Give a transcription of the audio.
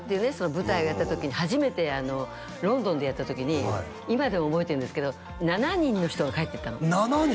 舞台をやった時に初めてロンドンでやった時に今でも覚えてるんですけど７人の人が帰っていったの７人！